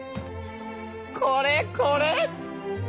これこれ！